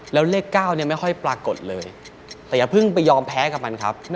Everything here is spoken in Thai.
แล้วเลข๙ไม่ค่อยปรากฏเลยแต่อย่าเพิ่งไปยอมแพ้กับมันครับ